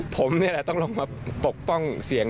ผมนี่แหละต้องลงมาปกป้องเสียง